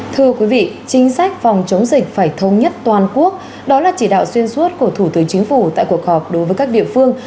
thưa quý vị chính sách phòng chống dịch phải thông nhất toàn quốc đó là chỉ đạo xuyên suốt của thủ tướng chính phủ tại cuộc họp đối với các địa phương